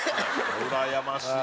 うらやましい。